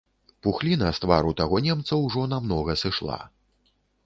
Пухліна з твару таго немца ўжо намнога сышла.